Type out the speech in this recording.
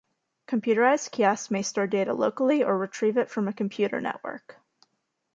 Computerized kiosks may store data locally, or retrieve it from a computer network.